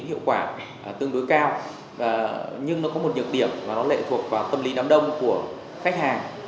hiệu quả tương đối cao nhưng nó có một nhược điểm mà nó lệ thuộc vào tâm lý đám đông của khách hàng